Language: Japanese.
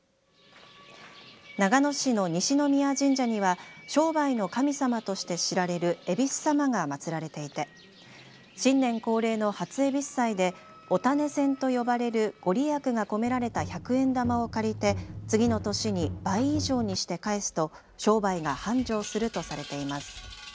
長野市の西宮神社には商売の神様として知られるえびすさまが祭られていて新年恒例の初えびす祭でお種銭と呼ばれる御利益が込められた１００円玉を借りて次の年に倍以上にして返すと商売が繁盛するとされています。